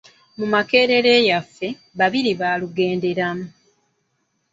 "Mu Makerere yaffe, babiri baalugenderamu."